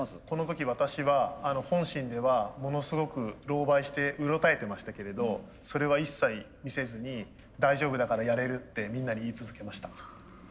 この時私は本心ではものすごくろうばいしてうろたえてましたけれどそれは一切見せずに「大丈夫だからやれる」ってみんなに言い続けました。